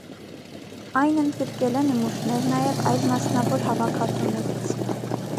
Այն ընդգրկել է նմուշներ նաև այլ մասնավոր հավաքածուներից։